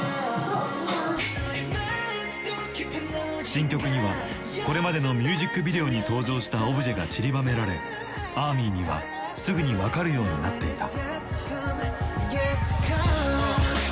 新曲にはこれまでのミュージックビデオに登場したオブジェがちりばめられアーミーにはすぐに分かるようになっていた。